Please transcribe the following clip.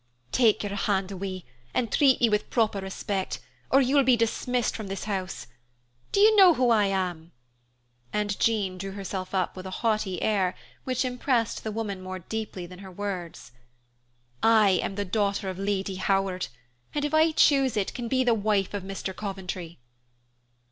"Take your hand away and treat me with proper respect, or you will be dismissed from this house. Do you know who I am?" And Jean drew herself up with a haughty air, which impressed the woman more deeply than her words. "I am the daughter of Lady Howard and, if I choose it, can be the wife of Mr. Coventry."